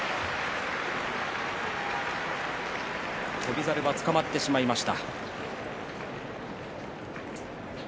翔猿は、つかまってしまいました。